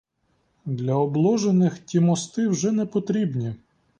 Для обложених ті мости вже непотрібні.